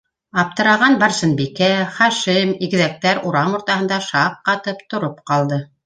Аптыраған Барсынбикә, Хашим, игеҙәктәр урам уртаһында шаҡ ҡатып тороп ҡалды.